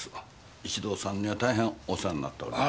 石堂さんには大変お世話になっておりました。